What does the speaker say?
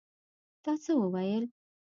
تا څه وویل?